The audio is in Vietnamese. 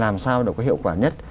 làm sao để có hiệu quả nhất